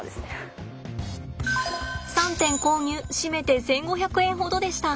３点購入締めて１，５００円ほどでした。